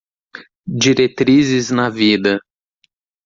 Diretrizes na vida